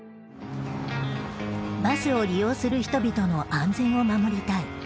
「バスを利用する人々の安全を守りたい」。